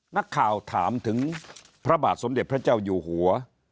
นักข่าวถามถึงพระบาทสมเด็จพระเจ้าอยู่หัว